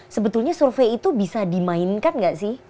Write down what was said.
sebetulnya survei itu bisa dimainkan nggak sih